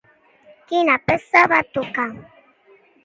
Quina peça va tocar?